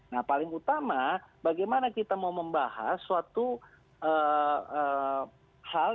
nah paling utama bagaimana kita mau membahas suatu hal